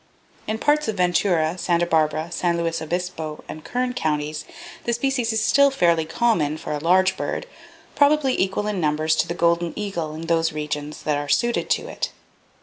In parts of Ventura, Santa Barbara, San Luis Obispo and Kern counties the species is still fairly common, for a large bird, probably equal in numbers to the golden eagle in those regions that are suited to [Page 23] it.